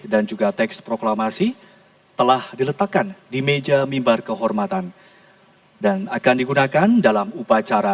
dan juga teks proklamasi telah diletakkan di meja mimbar kehormatan dan akan digunakan dalam upacara